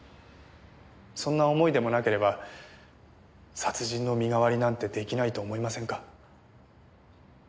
そんな思いでもなければ殺人の身代わりなんて出来ないと思いませんか？